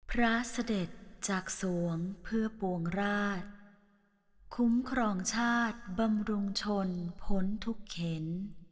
พระเสด็จจากสวงเพื่อปวงราชคุ้มครองชาติบำรุงชนพ้นทุกเข็น